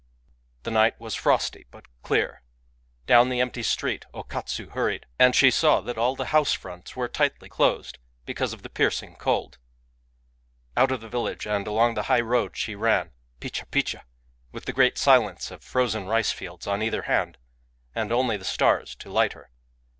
The night was frosty, but clear, Down the empty street O Katsu hurried ; and she saw that all the house fronts were tightly closed, because of the piercing cold. Out of the village, and along the high road she ran — picbh ficbh — with the great silence of frozen rice fields On either hand, and only the stars to light her.